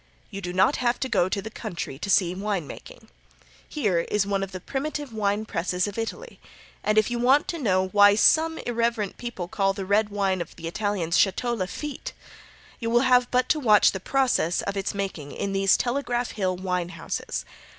You do not have to go to the country to see wine making. Here is one of the primitive wine presses of Italy, and if you want to know why some irreverent people call the red wine of the Italians "Chateau la Feet," you have but to watch the process of its making in these Telegraph Hill wine houses.